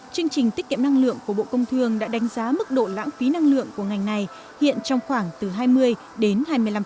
chương trình tiết kiệm năng lượng của bộ công thương đã đánh giá mức độ lãng phí năng lượng của ngành này hiện trong khoảng từ hai mươi đến hai mươi năm